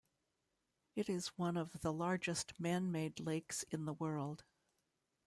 It is one of the largest man-made lakes in the world.